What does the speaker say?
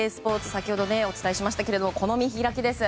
先ほどお伝えしましたがこの見開きです。